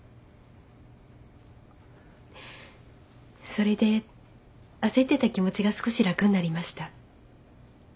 それで焦ってた気持ちが少し楽になりました。